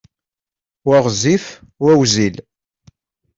Wa ɣezzif, wa wezzil.